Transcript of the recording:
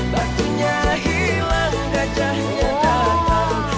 batunya hilang gajahnya datang